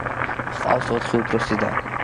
ჰყავს ოთხი უფროსი და.